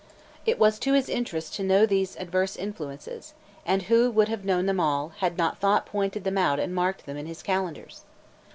It was to his interest to know these adverse influences; and who would have known them all, had not Thot pointed them out and marked them in his calendars?